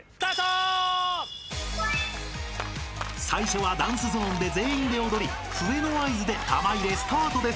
［最初はダンスゾーンで全員で踊り笛の合図で玉入れスタートです］